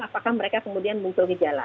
apakah mereka kemudian muncul gejala